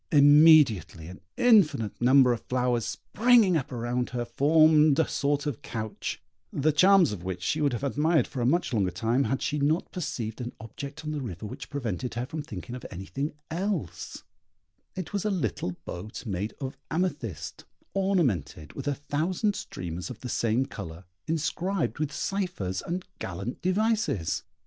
Immediately an infinite number of flowers, springing up around her, formed a sort of couch, the charms of which she would have admired for a much longer time had she not perceived an object on the river which prevented her from thinking of anything else; it was a little boat made of amethyst, ornamented with a thousand streamers of the same colour, inscribed with cyphers and gallant devices.